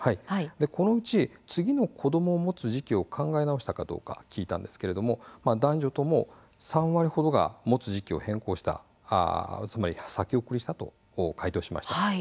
このうち、次の子どもを持つ時期を考え直したかどうか聞いたんですが男女とも３割ほどが持つ時期を変更したつまり先送りしたと回答しました。